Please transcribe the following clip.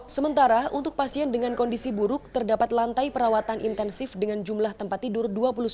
sementara untuk pasien dengan kondisi buruk terdapat lantai perawatan intensif dengan jumlah tempat tidur dua puluh sembilan